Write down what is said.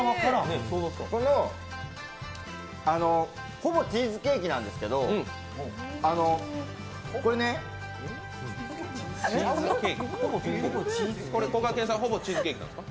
ほぼチーズケーキなんですけど、これ、こがけんさんほぼチーズケーキなんですか？